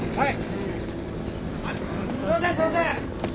はい。